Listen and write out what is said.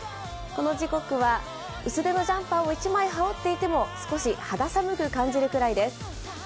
この時刻は薄手のジャンパーを１枚羽織っていても少し肌寒く感じるくらいです。